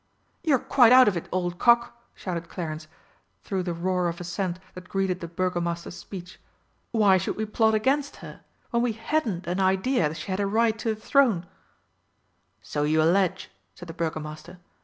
"You're quite out of it, old cock!" shouted Clarence, through the roar of assent that greeted the Burgomaster's speech. "Why should we plot against her, when we hadn't an idea she had a right to the throne?" "So you allege," said the Burgomaster.